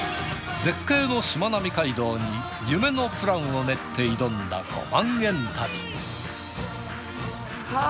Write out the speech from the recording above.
絶景のしまなみ海道に夢のプランを練って挑んだ５万円旅。